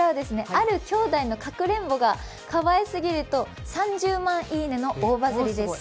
ある兄弟のかくれんぼがかわいすぎると３０万いいねの大バズりです。